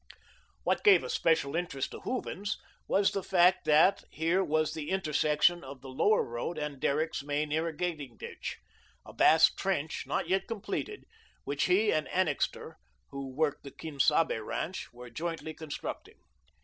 What gave a special interest to Hooven's was the fact that here was the intersection of the Lower Road and Derrick's main irrigating ditch, a vast trench not yet completed, which he and Annixter, who worked the Quien Sabe ranch, were jointly constructing.